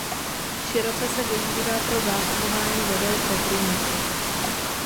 Široce se využívá pro zásobování vodou pro průmysl.